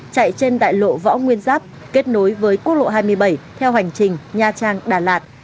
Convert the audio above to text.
chạy trên đại lộ võ nguyên giáp kết nối với quốc lộ hai mươi bảy theo hành trình nha trang đà lạt